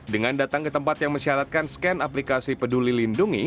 dengan datang ke tempat yang mensyaratkan scan aplikasi peduli lindungi